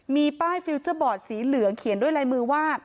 มีป้ายฟิลเจอร์บอร์ดสีเหลืองเขียนด้วยลายมือว่า